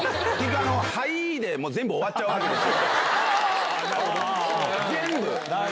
はいーで、全部終わっちゃうわけですよ。